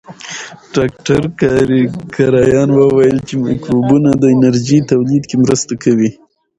ډاکټر کرایان وویل چې مایکروبونه د انرژۍ تولید کې مرسته کوي.